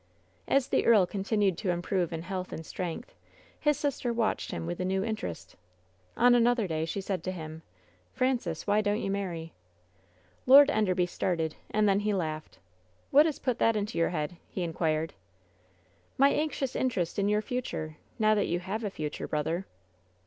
As the earl continued to improve in health anc strength, his sister watched him with a new interest. On another day she said to him: "Francis, why don't you marry?" Lord £&derby started, and then he laughed. WHEN SHADOWS DIE 81 "What has put that into your head?" he inquired. "My anxious interest in your future — now that you have a future, brother."